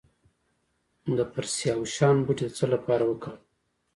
د پرسیاوشان بوټی د څه لپاره وکاروم؟